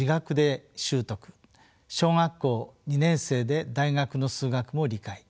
小学校２年生で大学の数学も理解。